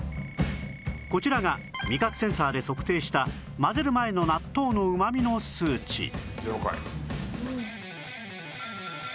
こちらが味覚センサーで測定した混ぜる前の納豆の旨味の数値